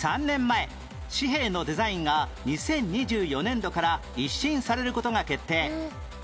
３年前紙幣のデザインが２０２４年度から一新される事が決定